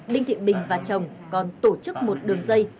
đinh thị bình và chồng còn tổ chức một đường dây